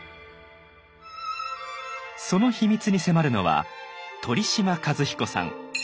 その秘密に迫るのは鳥嶋和彦さん。